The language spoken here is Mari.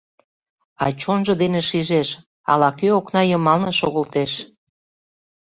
А чонжо дене шижеш: ала-кӧ окна йымалне шогылтеш.